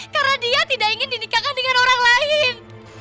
karena dia tidak ingin dinikahkan dengan orang lain